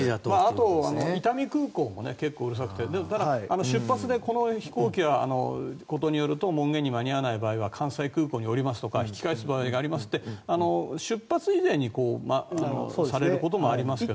あと伊丹空港も結構うるさくて出発でこの飛行機は門限に間に合わない場合は関西空港に降りますとか引き返す場合がありますって出発前に言われる場合がありますが。